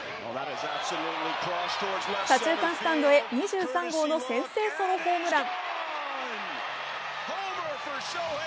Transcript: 左中間スタンドへ２３号の先制ソロホームラン。